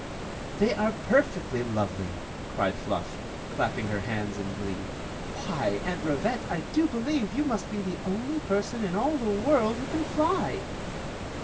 They are perfectly lovely !" cried Fluff", clapping Story of the Magic Cloak her hands in glee. Why, Aunt Rivette, I do believe you must be the only person in all the world who can fly!"